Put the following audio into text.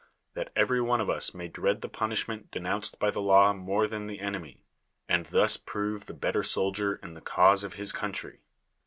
That every one of us may dread the punishment de nounced by the law more than the enemy, and thus prove the better soldier in the cause of his country.